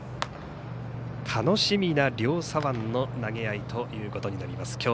楽しみな両左腕の投げ合いということになります。